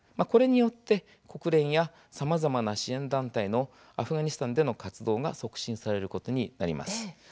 これによって国連やさまざまな支援団体のアフガニスタンでの活動が促進されることになります。